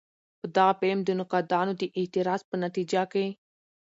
په غه فلم د نقادانو د اعتراض په نتيجه کښې